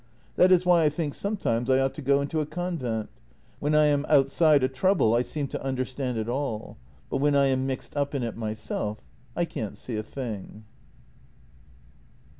That is why I think sometimes I ought to go into a convent. When I am outside a trouble I seem to un derstand it all, but when I am mixed up in it myself I can't see a thing."